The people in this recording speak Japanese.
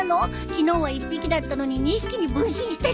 昨日は１匹だったのに２匹に分身してる。